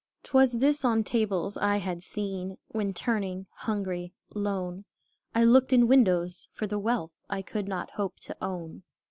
'T was this on tables I had seen, When turning, hungry, lone, I looked in windows, for the wealth I could not hope to own.